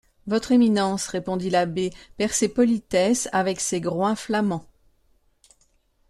Votre éminence, répondit l’abbé, perd ses politesses avec ces groins flamands.